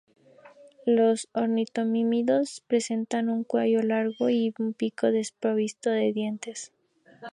Los ornitomímidos presentaban un cuello largo y un pico desprovisto de dientes.